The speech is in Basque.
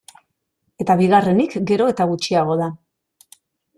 Eta bigarrenik, gero eta gutxiago da.